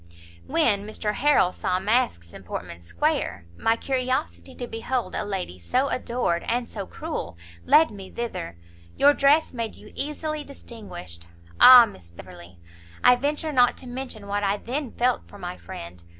"When Mr Harrel saw masks in Portman square, my curiosity to behold a lady so adored, and so cruel, led me thither; your dress made you easily distinguished. Ah Miss Beverley! I venture not to mention what I then felt for my friend!